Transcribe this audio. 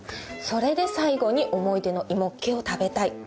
それで、最期に思い出のイモッケを食べたい。